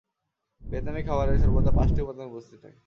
ভিয়েতনামী খাবারে সর্বদা পাঁচটি উপাদান উপস্থিত থাকে।